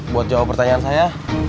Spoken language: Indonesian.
buat jawab pertanyaan saya